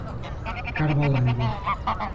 Carmolândia